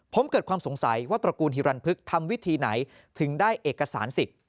ผมเกิดความสงสัยว่าตระกูลฮิรันพึกทำวิธีไหนถึงได้เอกสารสิทธิ์